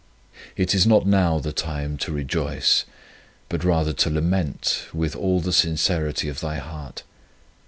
97 G On Union with God It is not now the time to rejoice but rather to lament with all the sincerity of thy heart.